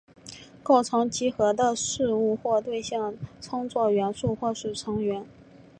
构成集合的事物或对象称作元素或是成员。